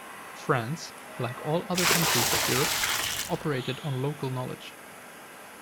France, like all other countries of Europe, operated on local knowledge.